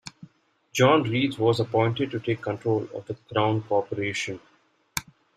John Reith was appointed to take control of the Crown corporation.